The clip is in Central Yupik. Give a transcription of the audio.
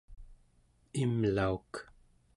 imlauk